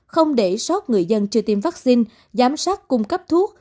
không để sót người dân chưa tiêm vaccine giám sát cung cấp thuốc